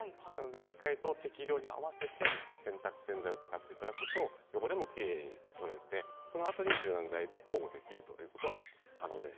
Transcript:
しっかりと適量に合わせて洗濯洗剤を使って、たたくと汚れもきれいに取れてそのあとに柔軟剤で保護できるということです。